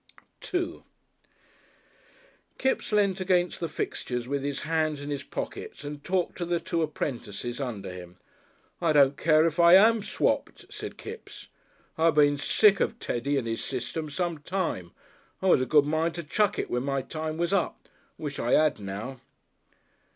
§2 Kipps leant against the fixtures with his hands in his pockets and talked to the two apprentices under him. "I don't care if I am swapped," said Kipps. "I been sick of Teddy and his System some time. I was a good mind to chuck it when my time was up. Wish I 'ad now."